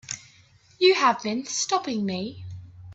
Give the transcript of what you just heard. You have been stopping me.